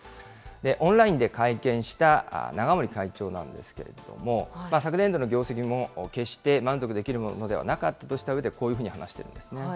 オンラインで会見した永守会長なんですけれども、昨年度の業績も決して満足できるものではなかったとしたうえで、こういうふうに話しているんですね。